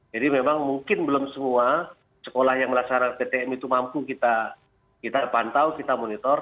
jadi memang mungkin belum semua sekolah yang melaksanakan ptm itu mampu kita pantau kita monitor